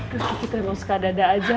terus kiki terus suka ada ada aja